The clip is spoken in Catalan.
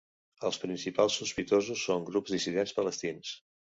Els principals sospitosos són grups dissidents palestins.